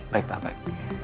baik pak baik